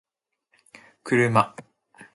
kuruma